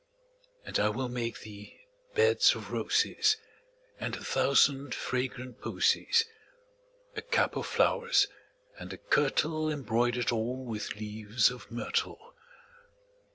And I will make thee beds of roses And a thousand fragrant posies; 10 A cap of flowers, and a kirtle Embroider'd all with leaves of myrtle.